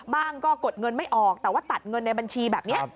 บ้างก็กดเงินไม่ออกแต่ว่าตัดเงินในบัญชีแบบนี้